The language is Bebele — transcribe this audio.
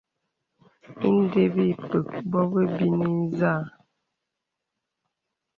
Indē bə̀ ǐ pə̀k bɔ bɔbini zâ.